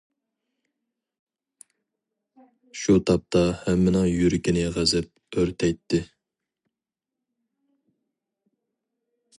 شۇ تاپتا ھەممىنىڭ يۈرىكىنى غەزەپ ئۆرتەيتتى.